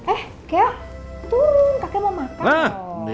eh kea turun kakek mau makan dong